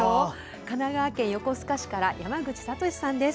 神奈川県横須賀市から山口聡さんです。